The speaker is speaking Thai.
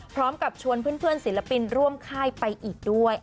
พร้อมกับชวนเพื่อนศิลปินร่วมค่ายไปอีกด้วย